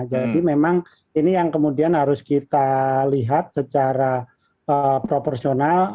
jadi memang ini yang kemudian harus kita lihat secara proporsional